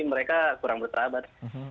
mereka kurang berterabat